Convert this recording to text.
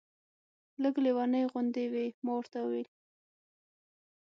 لږ لېونۍ غوندې وې. ما ورته وویل.